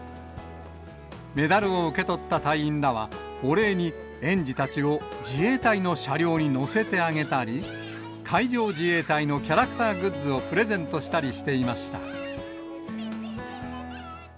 メダルを受け取った隊員らは、お礼に、園児たちを自衛隊の車両に乗せてあげたり、海上自衛隊のキャラクターグッズをプレゼントしたりしていました。